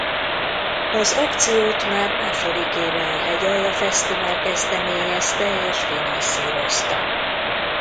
Az akciót már második éve a Hegyalja Fesztivál kezdeményezte és finanszírozta.